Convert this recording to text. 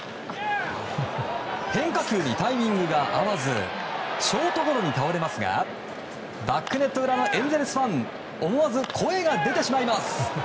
変化球にタイミングが合わずショートゴロに倒れますがバックネット裏のエンゼルスファン思わず声が出てしまいます。